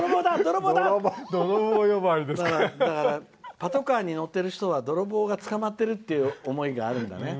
だから、パトカーに乗ってる人は泥棒が捕まってるっていう思いがあるんだね。